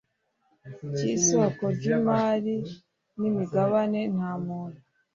cy isoko ry imari n imigabane nta muntu